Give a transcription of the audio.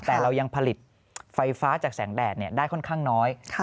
แต่เรายังผลิตไฟฟ้าจากแสงแดดได้ค่อนข้างน้อย